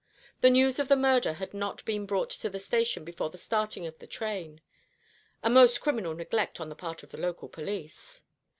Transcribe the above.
The news of the murder had not been brought to the station before the starting of the train: a most criminal neglect on the part of the local police.